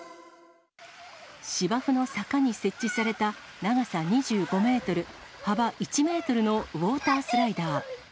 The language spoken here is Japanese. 芝生の坂に設置された長さ２５メートル、幅１メートルのウォータースライダー。